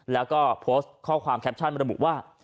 แล้วก็โพสต์ข้อความแคปชั่นระบุว่า